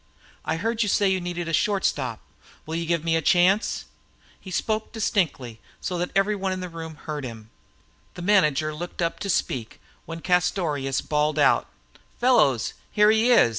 "I heard you say you needed a shortstop. Will you give me a chance?" He spoke distinctly, so that every one in the room heard him. The manager looked up to speak when Castorious bawled out: "Fellows, here he is!